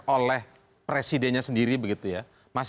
oleh presidennya sendiri begitu ya